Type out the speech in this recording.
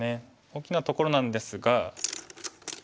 大きなところなんですが。